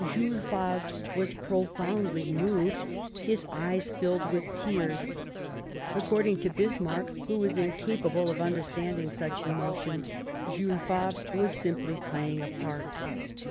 Jules Favre was profoundly moved ; his eyes filled with tears ; according to Bismarck, who was incapable of understanding such emotion, Jules Favrc was " simply playing a part."